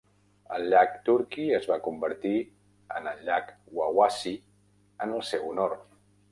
El llac Turkey es va convertir en el llac Wawasee en el seu honor.